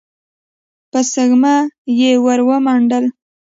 په سږمه يې ور ومنډل.